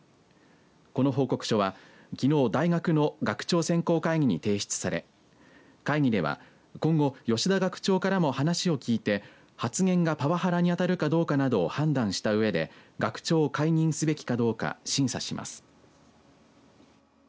この報告書は、きのう大学の学長選考会議に提出され会議では、今後吉田学長からも話を聞いて発言がパワハラにあたるかどうかなどを判断したうえで学長を解任すべきかどうか審査します。